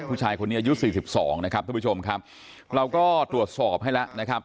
ผู้ชายคนนี้อายุสี่สิบสองนะครับท่านผู้ชมครับเราก็ตรวจสอบให้แล้วนะครับ